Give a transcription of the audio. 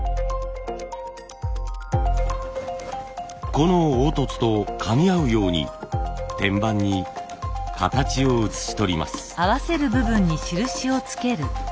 この凹凸とかみ合うように天板に形を写し取ります。